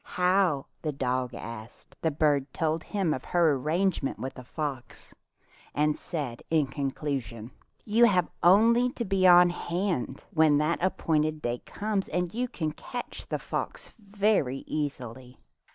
"How?" the dog asked. The bird told him of her arrangement with the fox, and said in conclusion, "You have only to be on hand when the appointed day comes, and you will catch the fox very eas ily."